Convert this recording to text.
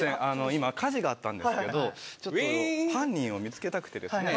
今火事があったんですけど犯人を見つけたくてですね。